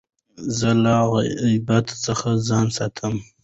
زه له غیبت څخه ځان ساتم.